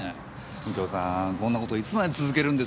右京さんこんな事いつまで続けるんですか？